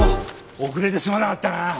遅れてすまなかったな！